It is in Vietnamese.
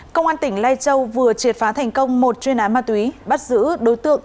công an tỉnh lai châu vừa triệt phá thành công một chuyên án ma túy bắt giữ đối tượng